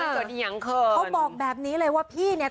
เขาบอกแบบนี้เลยว่าพี่เนี่ย